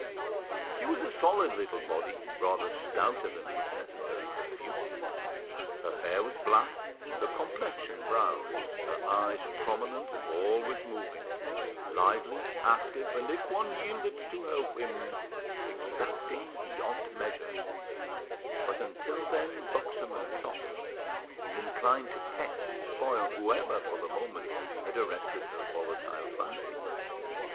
She was a solid little body, rather stouter than was necessary for beauty; her hair was black, her complexion brown, her eyes prominent and always moving; lively, active, and if one once yielded to her whims, exacting beyond measure; but until then buxom and soft, and inclined to pet and spoil whoever, for the moment, had arrested her volatile fancy.